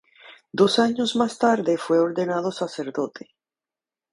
Dos años más tarde fue ordenado sacerdote.